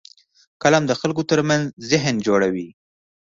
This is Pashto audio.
قلم د خلکو ترمنځ ذهن جوړوي